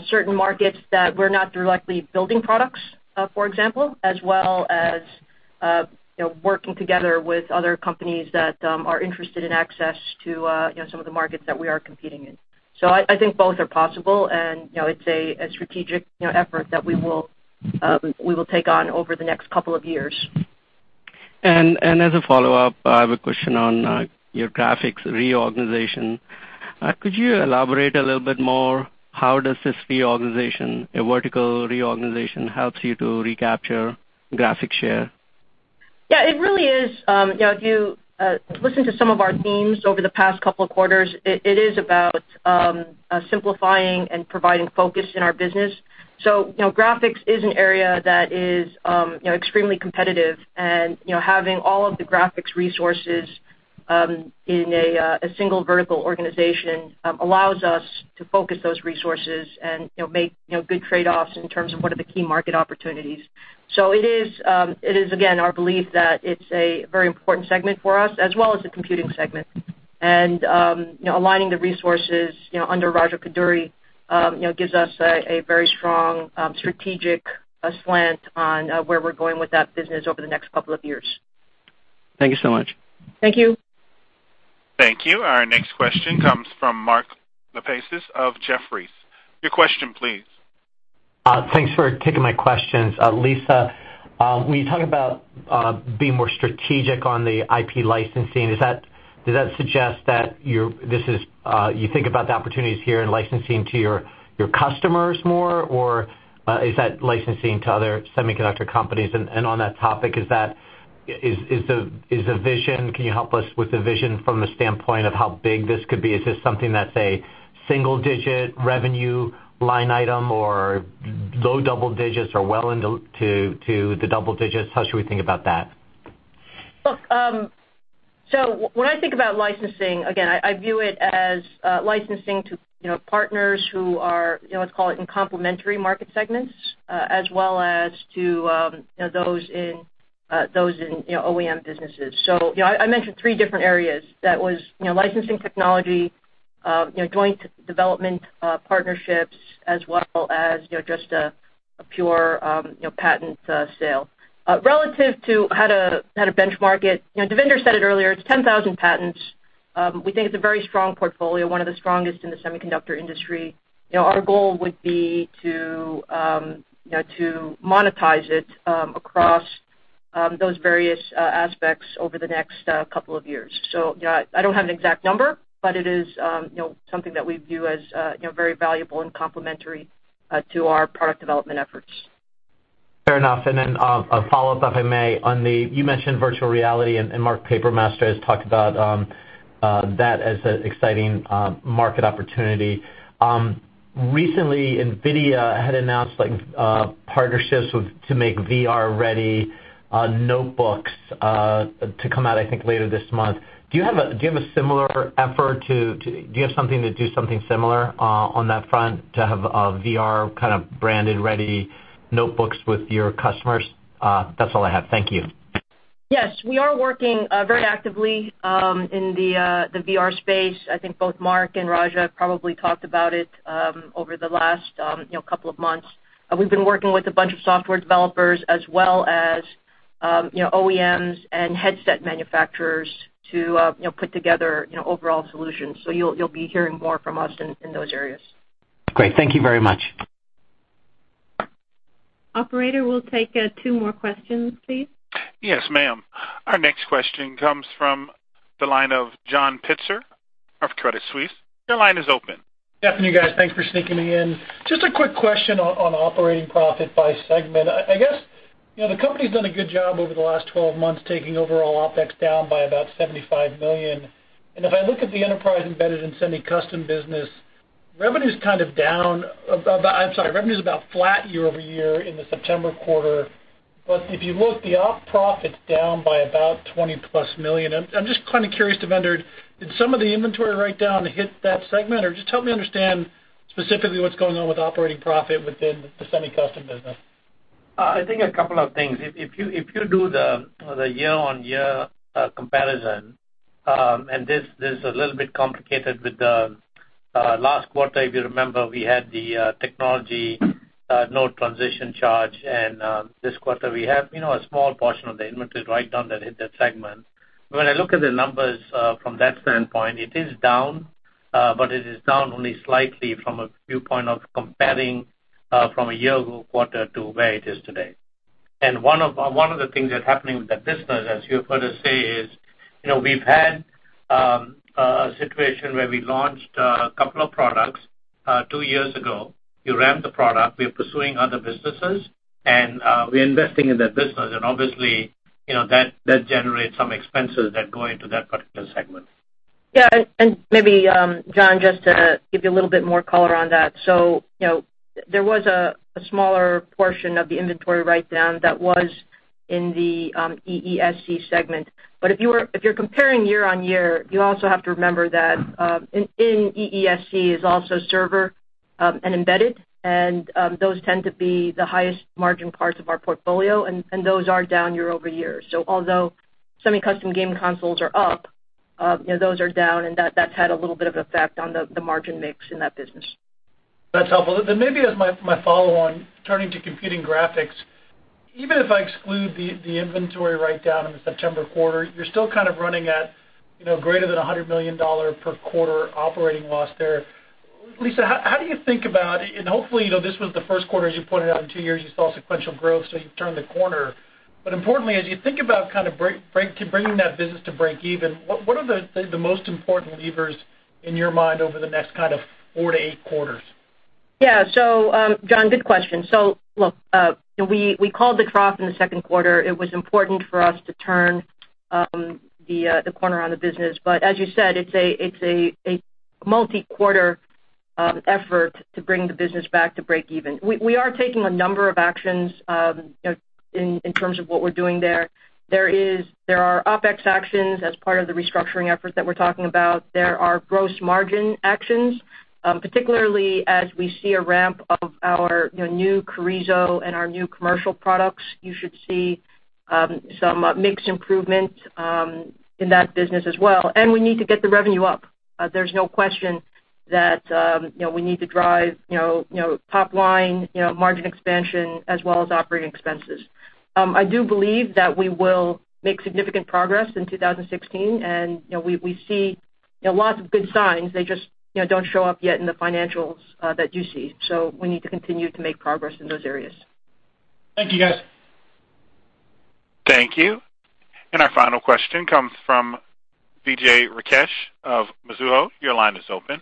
certain markets that we're not directly building products, for example, as well as working together with other companies that are interested in access to some of the markets that we are competing in. I think both are possible, and it's a strategic effort that we will take on over the next couple of years. As a follow-up, I have a question on your graphics reorganization. Could you elaborate a little bit more, how does this reorganization, a vertical reorganization, helps you to recapture graphics share? Yeah. If you listen to some of our themes over the past couple of quarters, it is about simplifying and providing focus in our business. graphics is an area that is extremely competitive, and having all of the graphics resources in a single vertical organization allows us to focus those resources and make good trade-offs in terms of what are the key market opportunities. It is, again, our belief that it's a very important segment for us, as well as the computing segment. Aligning the resources under Raja Koduri gives us a very strong strategic slant on where we're going with that business over the next couple of years. Thank you so much. Thank you. Thank you. Our next question comes from Mark Lipacis of Jefferies. Your question please. Thanks for taking my questions. Lisa, when you talk about being more strategic on the IP licensing, does that suggest that you think about the opportunities here in licensing to your customers more, or is that licensing to other semiconductor companies? On that topic, can you help us with the vision from the standpoint of how big this could be? Is this something that's a single-digit revenue line item or low double digits or well into the double digits? How should we think about that? When I think about licensing, again, I view it as licensing to partners who are, let's call it in complementary market segments, as well as to those in OEM businesses. I mentioned three different areas. That was licensing technology, joint development partnerships, as well as just a pure patent sale. Relative to how to benchmark it, Devinder said it earlier, it's 10,000 patents. We think it's a very strong portfolio, one of the strongest in the semiconductor industry. Our goal would be to monetize it across those various aspects over the next couple of years. I don't have an exact number, but it is something that we view as very valuable and complementary to our product development efforts. Fair enough. A follow-up, if I may, on the, you mentioned virtual reality, and Mark Papermaster has talked about that as an exciting market opportunity. Recently, NVIDIA had announced partnerships to make VR-ready notebooks, to come out, I think, later this month. Do you have something to do something similar on that front to have VR branded ready notebooks with your customers? That's all I have. Thank you. Yes. We are working very actively in the VR space. I think both Mark and Raja have probably talked about it over the last couple of months. We've been working with a bunch of software developers as well as OEMs and headset manufacturers to put together overall solutions. You'll be hearing more from us in those areas. Great. Thank you very much. Operator, we'll take two more questions, please. Yes, ma'am. Our next question comes from the line of John Pitzer of Credit Suisse. Your line is open. Good afternoon, guys. Thanks for sneaking me in. Just a quick question on operating profit by segment. I guess, the company's done a good job over the last 12 months, taking overall OpEx down by about $75 million. If I look at the enterprise-embedded and semi-custom business, revenue's down. I'm sorry, revenue's about flat year-over-year in the September quarter. If you look, the op profit's down by about $20-plus million. I'm just curious, Devinder, did some of the inventory write-down hit that segment? Just help me understand specifically what's going on with operating profit within the semi-custom business. I think a couple of things. If you do the year-on-year comparison, this is a little bit complicated with the last quarter, if you remember, we had the technology node transition charge, this quarter we have a small portion of the inventory write-down that hit that segment. When I look at the numbers from that standpoint, it is down, but it is down only slightly from a viewpoint of comparing from a year ago quarter to where it is today. One of the things that's happening with that business, as you put it, say, is we've had a situation where we launched a couple of products two years ago. We ramped the product. We are pursuing other businesses, and we're investing in that business, and obviously, that generates some expenses that go into that particular segment. Yeah. Maybe, John, just to give you a little bit more color on that. There was a smaller portion of the inventory write-down that was in the EESC segment. If you're comparing year-on-year, you also have to remember that in EESC is also server and embedded, and those tend to be the highest margin parts of our portfolio, and those are down year-over-year. Although semi-custom gaming consoles are up, those are down, and that's had a little bit of effect on the margin mix in that business. That's helpful. Maybe as my follow on, turning to computing graphics, even if I exclude the inventory write-down in the September quarter, you're still kind of running at, greater than $100 million per quarter operating loss there. Lisa, how do you think about, hopefully, this was the first quarter, as you pointed out, in two years, you saw sequential growth, so you've turned the corner. Importantly, as you think about bringing that business to break even, what are the most important levers in your mind over the next kind of 4 to 8 quarters? Yeah. John, good question. Look, we called the trough in the second quarter. It was important for us to turn the corner on the business. As you said, it's a multi-quarter effort to bring the business back to break even. We are taking a number of actions in terms of what we're doing there. There are OpEx actions as part of the restructuring effort that we're talking about. There are gross margin actions, particularly as we see a ramp of our new Carrizo and our new commercial products. You should see some mix improvement in that business as well. We need to get the revenue up. There's no question that we need to drive top-line margin expansion as well as operating expenses. I do believe that we will make significant progress in 2016, and we see lots of good signs. They just don't show up yet in the financials that you see. We need to continue to make progress in those areas. Thank you, guys. Thank you. Our final question comes from Vijay Rakesh of Mizuho. Your line is open.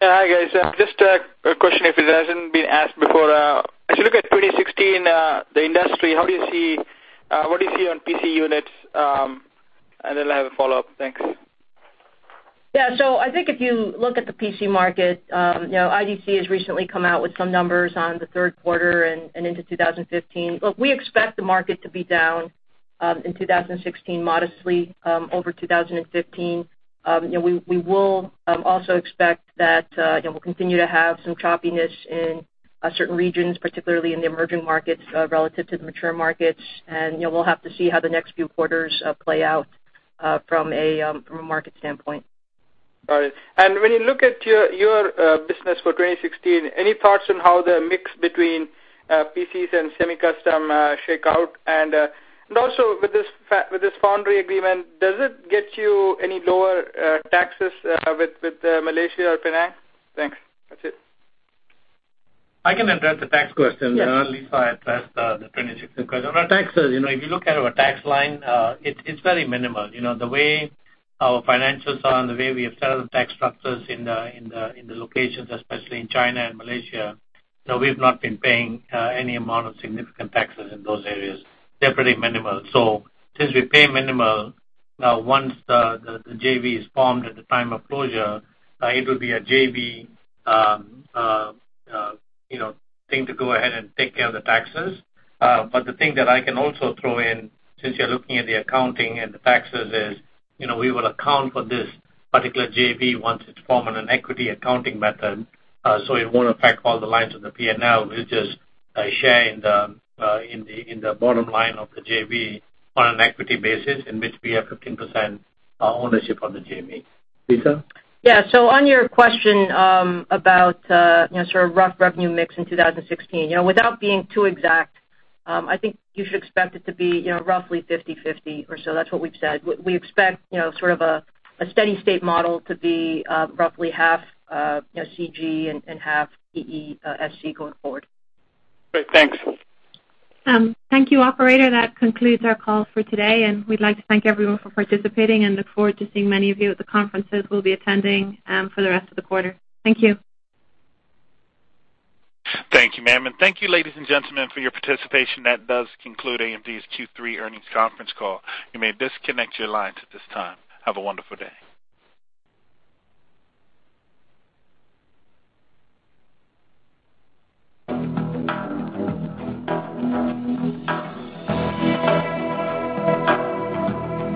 Yeah. Hi, guys. Just a question, if it hasn't been asked before. As you look at 2016, the industry, what do you see on PC units? Then I have a follow-up. Thanks. Yeah. I think if you look at the PC market, IDC has recently come out with some numbers on the third quarter and into 2015. Look, we expect the market to be down in 2016 modestly, over 2015. We will also expect that we'll continue to have some choppiness in certain regions, particularly in the emerging markets relative to the mature markets, and we'll have to see how the next few quarters play out from a market standpoint. Got it. When you look at your business for 2016, any thoughts on how the mix between PCs and semi-custom shake out? Also with this foundry agreement, does it get you any lower taxes with Malaysia or Penang? Thanks. That's it. I can address the tax question. Yes. Lisa addressed the 2016 question. On our taxes, if you look at our tax line, it's very minimal. The way our finances are and the way we have set up the tax structures in the locations, especially in China and Malaysia, we've not been paying any amount of significant taxes in those areas. They're pretty minimal. Since we pay minimal, once the JV is formed at the time of closure, it will be a JV thing to go ahead and take care of the taxes. The thing that I can also throw in, since you're looking at the accounting and the taxes, is we will account for this particular JV once it's formed on an equity accounting method. It won't affect all the lines of the P&L. We'll just share in the bottom line of the JV on an equity basis, in which we have 15% ownership of the JV. Lisa? On your question about sort of rough revenue mix in 2016. Without being too exact, I think you should expect it to be roughly 50/50 or so. That's what we've said. We expect sort of a steady state model to be roughly half CG and half EESC going forward. Great. Thanks. Thank you, operator. That concludes our call for today, we'd like to thank everyone for participating and look forward to seeing many of you at the conferences we'll be attending for the rest of the quarter. Thank you. Thank you, ma'am, and thank you, ladies and gentlemen, for your participation. That does conclude AMD's Q3 earnings conference call. You may disconnect your lines at this time. Have a wonderful day.